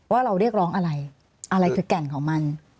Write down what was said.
ว่าเราเรียกร้องอะไรอะไรคือแก่นของมัน